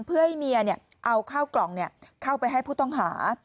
เพื่อให้เมียเอาข้าวกล่องเข้าไปให้ผู้ต้องหา